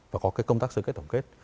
và có cái công tác sơ kết tổng kết